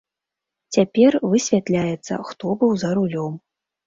Цяпер высвятляецца, хто быў за рулём.